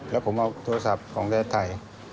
แล้วผมเอาโทรศัพท์ของประเทศไทย